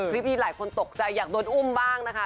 ที่หลายคนตกใจอยากโดนอุ้มบ้างนะคะ